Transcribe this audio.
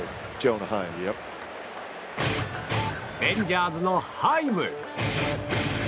レンジャーズのハイム。